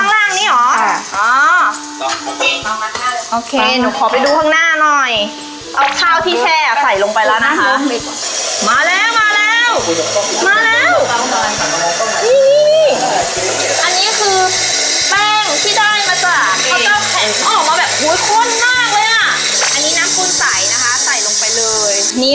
น้ำมันใส่ลงไปเลย